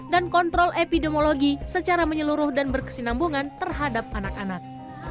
kontrol epidemiologi secara menyeluruh dan berkesinambungan terhadap anak anak